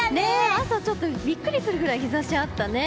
朝、ちょっとビックリするぐらい日差しがあったね。